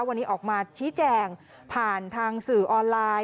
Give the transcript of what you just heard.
วันนี้ออกมาชี้แจงผ่านทางสื่อออนไลน์